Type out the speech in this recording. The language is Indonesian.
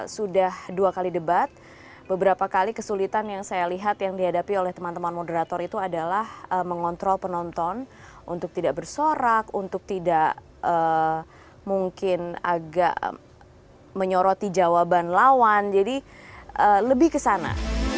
sudah dua kali debat beberapa kali kesulitan yang saya lihat yang dihadapi oleh teman teman moderator itu adalah mengontrol penonton untuk tidak bersorak untuk tidak mungkin agak menyoroti jawaban lawan jadi lebih ke sana